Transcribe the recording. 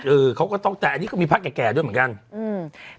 เออเขาก็ต้องแต่อันนี้ก็มีพระแก่แก่ด้วยเหมือนกันอืม